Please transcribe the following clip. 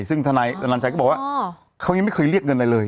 ซึ่งธนายอนัญชัยก็บอกว่าเขายังไม่เคยเรียกเงินอะไรเลย